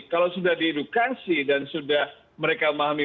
kalau sudah diedukasi dan sudah mereka pahami